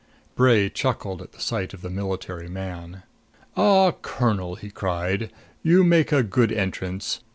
Bray chuckled at sight of the military man. "Ah, Colonel," he cried, "you make a good entrance!